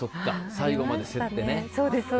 最後まで競ってね。